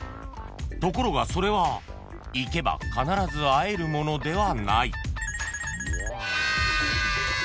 ［ところがそれは行けば必ず会えるものではない］